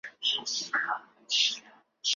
西门君遂大为反感。